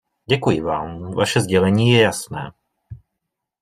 Děkuji vám, vaše sdělení je jasné.